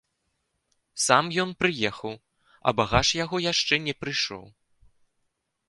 Сам ён прыехаў, а багаж яго яшчэ не прыйшоў.